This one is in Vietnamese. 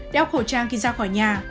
đeo khẩu trang khi ra khỏi nhà